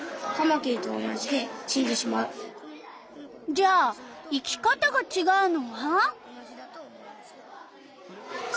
じゃあ生き方がちがうのは？